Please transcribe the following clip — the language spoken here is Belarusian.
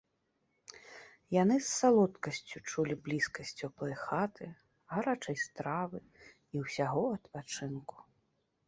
Яны з салодкасцю чулі блізкасць цёплай хаты, гарачай стравы і ўсяго адпачынку.